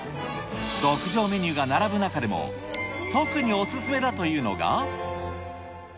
極上メニューが並ぶ中でも、特にお勧めだというのが。